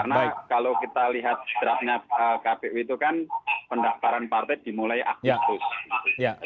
karena kalau kita lihat drapnya tkpu itu kan pendaftaran partai dimulai akibat